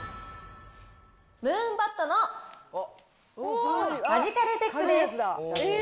ムーンバットのマジカルテックです。